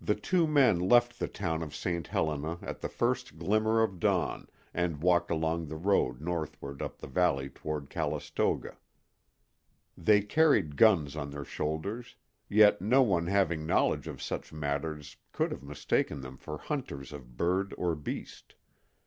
Two men left the town of St. Helena at the first glimmer of dawn, and walked along the road northward up the valley toward Calistoga. They carried guns on their shoulders, yet no one having knowledge of such matters could have mistaken them for hunters of bird or beast.